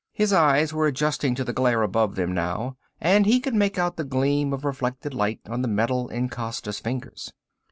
His eyes were adjusting to the glare above them now, and he could make out the gleam of reflected light on the metal in Costa's fingers.